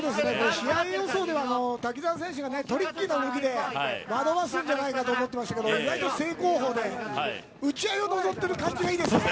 試合予想では瀧澤選手がトリッキーな動きで惑わすんじゃないかと思っていたんですけど意外と正攻法で打ち合いを望んでいる感じがいいですよね。